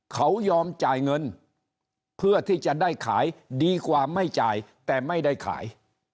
เขายอมจ่ายเงินเพื่อที่จะได้ขายดีกว่าไม่จ่ายแต่ไม่ได้ขาย